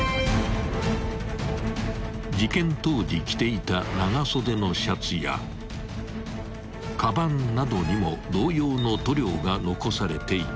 ［事件当時着ていた長袖のシャツやかばんなどにも同様の塗料が残されていた］